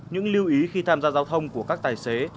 những lưu ý khi tham gia giao thông của các tài xế